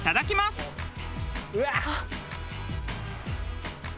「うわっ！」